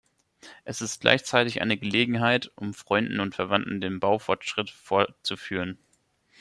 Es ist gleichzeitig eine Gelegenheit, um Freunden und Verwandten den Baufortschritt vorzuführen.